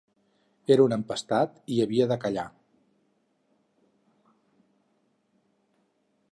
Era un empestat i havia de callar.